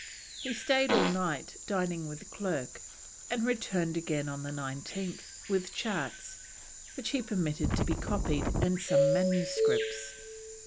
He stayed all night, dining with Clerke, and returned again on the 19th, with charts, which he permitted to be copied, and some manuscripts.